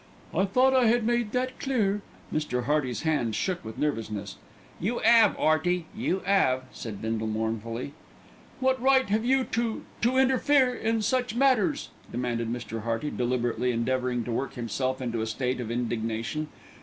"I thought I had made that clear." Mr. Hearty's hands shook with nervousness. "You 'ave, 'Earty, you 'ave," said Bindle mournfully. "What right have you to to interfere in in such matters?" demanded Mr. Hearty, deliberately endeavouring to work himself up into a state of indignation.